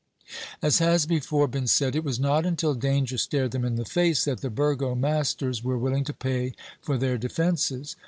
As has before been said, it was not until danger stared them in the face that the burgomasters were willing to pay for their defences.